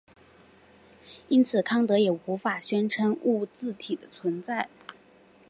因此康德也无法宣称物自体的存在。